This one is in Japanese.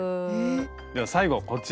では最後こちらです。